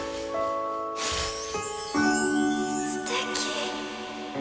すてき！